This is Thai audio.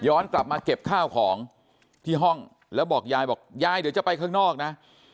กลับมาเก็บข้าวของที่ห้องแล้วบอกยายบอกยายเดี๋ยวจะไปข้างนอกนะ